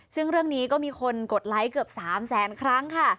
ซึ่งเรื่องนี้ก็มีคนกดไลค์เกือบ๓แสนครั้งค่ะ